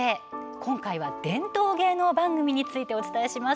今回は、伝統芸能番組についてお伝えします。